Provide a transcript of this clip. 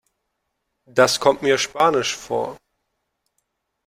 Das kommt mir spanisch vor.